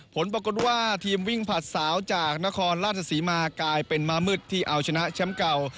ผลปรากฏว่าทีมวิ่งผลัดสาวจากนครราชศรีมากลายเป็นม้ามืดที่เอาชนะแชมป์เก่า